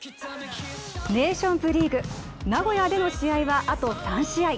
ネーションズリーグ、名古屋での試合はあと３試合。